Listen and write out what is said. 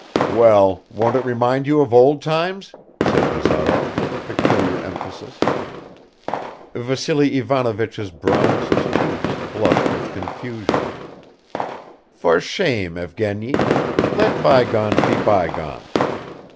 "Well, won't it remind you of old times?" said Bazarov with a peculiar emphasis. Vassily Ivanovich's bronzed cheeks blushed with confusion. "For shame, Evgeny, ... Let bygones be bygones.